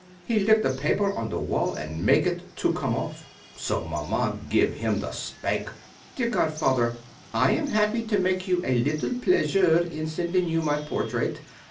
He lick the paper on the wall and make it to come off. So Maman give him the spank. Dear godfather, I am happy to make you a little pleasure in sending you my portrait.